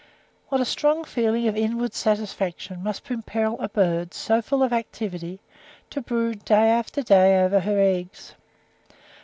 What a strong feeling of inward satisfaction must impel a bird, so full of activity, to brood day after day over her eggs.